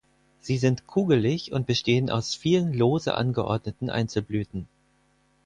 Sie sind kugelig und bestehen aus vielen, lose angeordneten Einzelblüten.